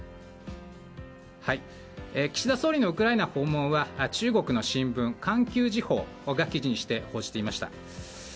岸田総理のウクライナ訪問は中国の新聞環球時報が記事にして報じていました。